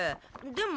でも」